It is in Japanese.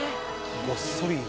ごっそり。